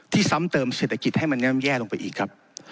ที่ซ้ำเติมเศรษฐกิจให้งำแย่ลงไปอีกครับ